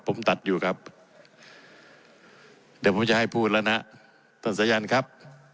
ผมตัดอยู่ครับเดี๋ยวผมจะให้พูดแล้วนะท่านสายันครับ